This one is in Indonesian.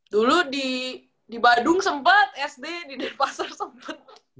dulu di badung sempet sd di uden pasar sempet